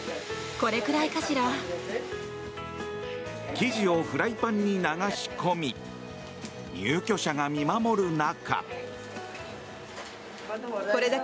生地をフライパンに流し込み入居者が見守る中。